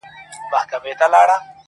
هغه ولس چي د ~